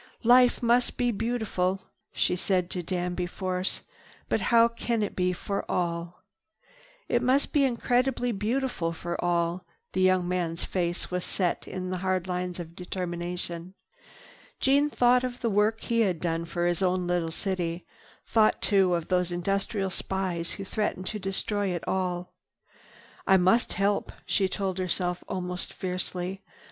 "Life must be beautiful," she said to Danby Force, "but how can it be, for all?" "It must be increasingly beautiful for all." The young man's face set in hard lines of determination. Jeanne thought of the work he had done for his own little city, thought too of those industrial spies who threatened to destroy it all. "I must help," she told herself almost fiercely.